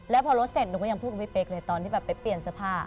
แล้วพอรถเสร็จหนูก็ยังพูดกับพี่เป๊กเลยตอนที่แบบไปเปลี่ยนเสื้อผ้า